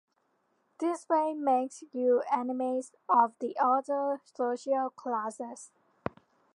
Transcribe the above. This way makes you enemies of the other social classes.